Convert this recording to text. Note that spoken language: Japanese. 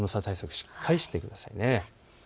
しっかりしてください。